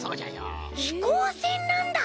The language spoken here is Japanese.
ひこうせんなんだ！